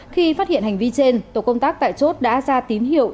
khi phát hiện hành vi trên tổ công tác tại chốt đã ra tín hiệu